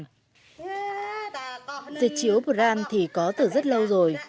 giật chiếu brand thì có từ rất lâu rồi